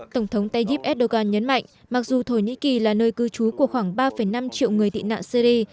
tổng thống tayyip erdogan nhấn mạnh mặc dù thổ nhĩ kỳ là nơi cư trú của khoảng ba năm triệu người tị nạn syri